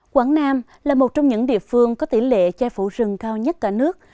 quảng nam là một trong những địa phương có tỷ lệ chai phủ rừng cao nhất cả nước